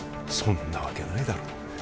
そんなわけないだろ